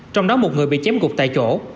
trong đó một người bị chém gục tại chỗ